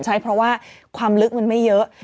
ใช้เพราะว่าความลึกมันไม่เยอะ